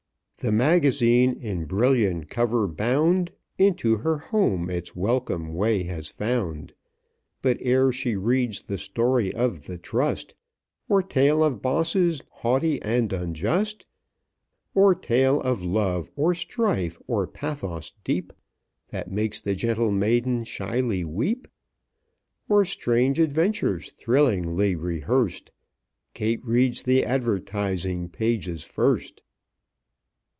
"The magazine, in brilliant cover bound, Into her home its welcome way has found, But, ere she reads the story of the trust, Or tale of bosses, haughty and unjust, Or tale of love, or strife, or pathos deep That makes the gentle maiden shyly weep, Or strange adventures thrillingly rehearsed, Kate reads the advertising pages first!